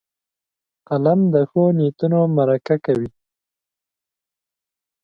قلم د ښو نیتونو مرکه کوي